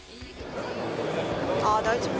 あ大丈夫。